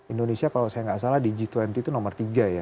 indonesia kalau saya nggak salah di g dua puluh itu nomor tiga ya